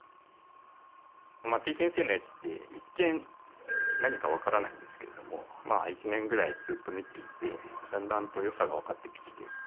松井先生の絵って一見何か分からないんですけれどもまあ一年ぐらいずっと見ていてだんだんと良さが分かってきて。